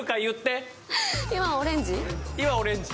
今はオレンジ。